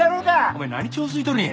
お前何ちょうすいとるんや。